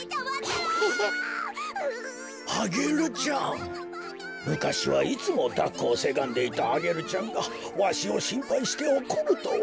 こころのこえむかしはいつもだっこをせがんでいたアゲルちゃんがわしをしんぱいしておこるとは。